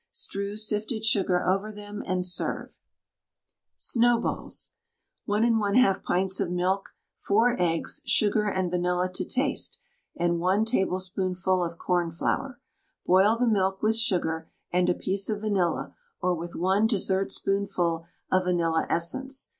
Strew sifted sugar over them, and serve. SNOWBALLS. 1 1/2 pints of milk, 4 eggs, sugar and vanilla to taste, and 1 tablespoonful of cornflour. Boil the milk with sugar and a piece of vanilla or with 1 dessertspoonful of vanilla essence.